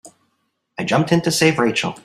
I jumped in to save Rachel.